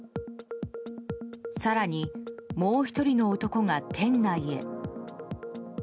更にもう１人の男が店内へ。